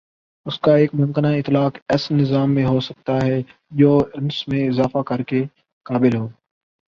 اس کا ایک ممکنہ اطلاق ایس نظام میں ہو سکتا ہے جو انس میں اضافہ کر کے قابل ہو